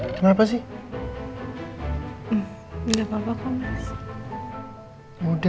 aku mau ikut sama dia